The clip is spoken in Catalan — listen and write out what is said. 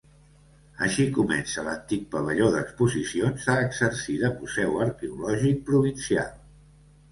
Així comença l'antic pavelló d'exposicions a exercir de Museu Arqueològic Provincial.